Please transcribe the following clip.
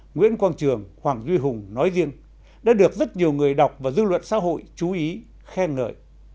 nguyễn quang trường hoàng duy hùng nói riêng đã được rất nhiều người đọc và dư luận xã hội chú ý khen nợ